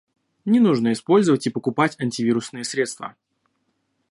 Не нужно использовать и покупать антивирусные средства